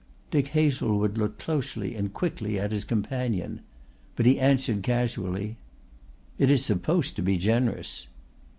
Dick Hazlewood looked closely and quickly at his companion. But he answered casually: "It is supposed to be generous."